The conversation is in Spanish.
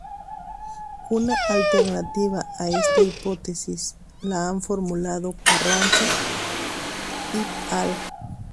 Una alternativa a esta hipótesis la han formulado Carranza et al.